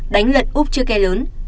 đánh lật úp chiếc ghe lớn